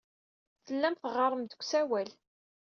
Tellam teɣɣarem-d deg usawal.